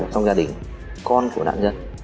trong gia đình con của đạn nhân